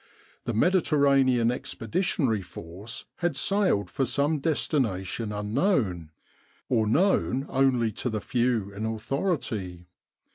The Mediterranean Expeditionary Force had sailed for some destination unknown, or known only to the few in authority.